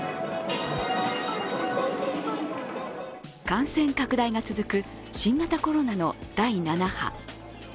感染拡大が続く新型コロナの第７波。